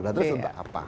nah terus untuk apa